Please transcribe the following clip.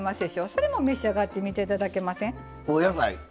それも召し上がってみていただけません？